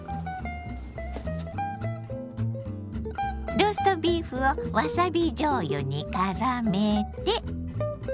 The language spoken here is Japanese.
ローストビーフをわさびじょうゆにからめて。